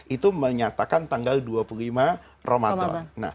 itu menyatakan tanggal dua puluh lima ramadan